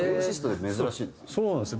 そうなんですよ。